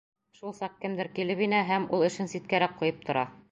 Шул саҡ кемдер килеп инә, һәм ул эшен ситкәрәк ҡуйып тора.